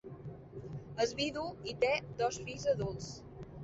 És vidu i té dos fills adults.